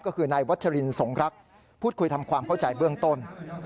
ก็คือนายวัชรินสงรักพูดคุยทำความเข้าใจเบื้องต้น